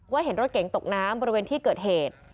เห็นรถเก๋งตกน้ำบริเวณที่เกิดเหตุ